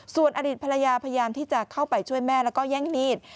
ส่วนอดีตภรรยาพยายามที่จะเข้าไปช่วยแม่แล้วก็แย่งมีด